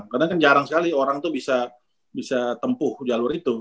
karena kan jarang sekali orang itu bisa tempuh jalur itu